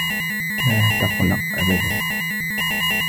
لا تقلق أبدا.